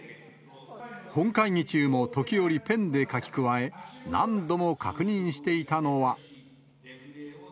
本会議中も時折、ペンで書き加え、何度も確認していたのは。